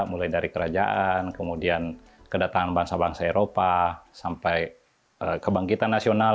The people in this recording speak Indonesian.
mulai dari kerajaan kemudian kedatangan bangsa bangsa eropa sampai kebangkitan nasional